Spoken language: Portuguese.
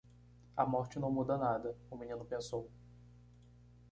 A morte não muda nada? o menino pensou.